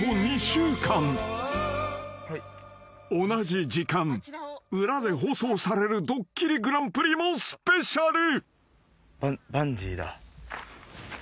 ［同じ時間裏で放送される『ドッキリＧＰ』もスペシャル］